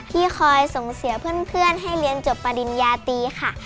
ที่คอยส่งเสียเพื่อนให้เรียนจบปริญญาตีค่ะ